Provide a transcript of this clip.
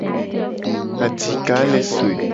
Adika le soe.